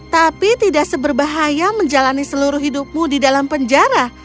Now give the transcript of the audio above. tapi tidak seberbahaya menjalani seluruh hidupmu di dalam penjara